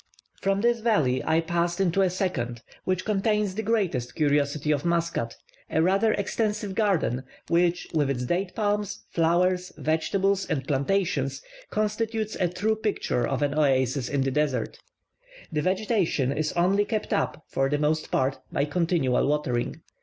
From this valley I passed into a second, which contains the greatest curiosity of Muscat, a rather extensive garden, which, with its date palms, flowers, vegetables, and plantations, constitutes a true picture of an oasis in the desert. The vegetation is only kept up, for the most part, by continual watering.